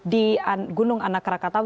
di gunung anak krakatau